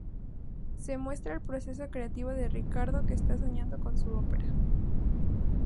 Se muestra el proceso creativo de Ricardo, que está soñando con su ópera.